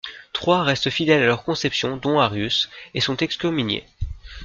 Trois restent fidèles à leurs conceptions, dont Arius, et sont excommuniés.